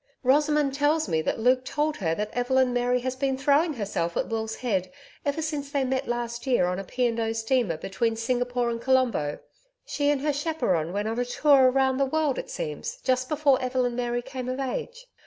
Rosamond tells me that Luke told her that Evelyn Mary has been throwing herself at Will's head ever since they met last year on a P. & O. steamer between Singapore and Colombo. She and her chaperon went on a tour round the world, it seems, just before Evelyn Mary came of age.